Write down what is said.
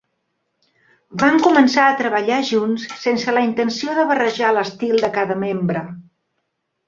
Van començar a treballar junts sense la intenció de barrejar l’estil de cada membre.